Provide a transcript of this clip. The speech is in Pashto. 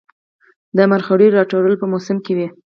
د مرخیړیو راټولول په موسم کې وي